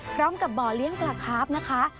พร้อมกับบ่อเลี้ยงปลาคาร์ฟนะคะ